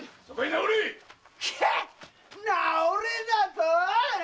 直れだとお？